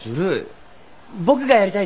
僕がやりたいです